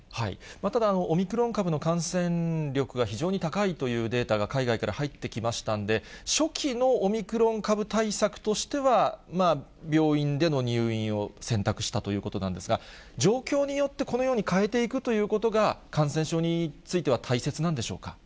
ただ、オミクロン株の感染力が非常に高いというデータが、海外から入ってきましたんで、初期のオミクロン株対策としては、病院での入院を選択したということなんですが、状況によって、このように変えていくということが、感染症については大切なんでしょうか。